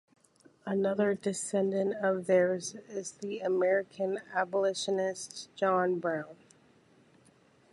Another descendant of theirs is the American Abolitionist, John Brown.